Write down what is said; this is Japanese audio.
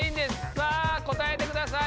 さあ答えてください。